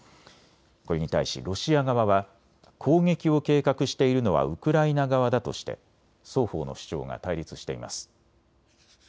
これに対しロシア側は攻撃を計画しているのはウクライナ側だとして双方の主張が対立しています。